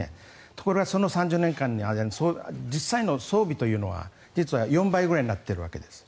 ところが３０年間の間に実際の装備というのは実は４倍ぐらいになっているわけです。